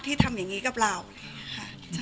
ที่ทำอย่างงี้กับเราใช่